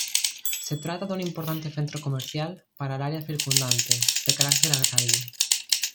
Se trata de un importante centro comercial para el área circundante, de caracter agrario.